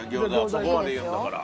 そこまで言うんだから。